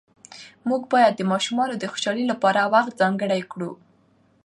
موږ باید د ماشومانو د خوشحالۍ لپاره وخت ځانګړی کړو